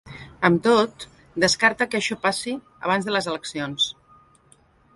Amb tot, descarta que això passi abans de les eleccions.